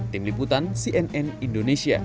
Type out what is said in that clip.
tim liputan cnn indonesia